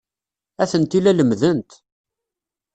Atenti la lemmdent.